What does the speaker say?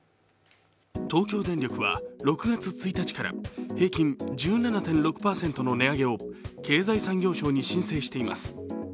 東京電力は６月１日から平均１７．６％の値上げを経済産業省に申請しています。